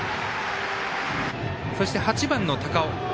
そして８番の高尾。